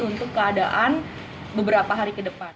untuk keadaan beberapa hari ke depan